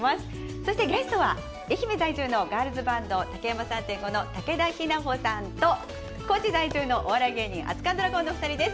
そしてゲストは愛媛在住のガールズバンドたけやま３．５の武田雛歩さんと高知在住のお笑い芸人あつかんＤＲＡＧＯＮのお二人です。